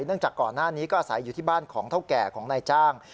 จากก่อนหน้านี้ก็อาศัยอยู่ที่บ้านของเท่าแก่ของนายจ้าง